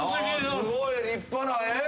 すごい立派なえっ？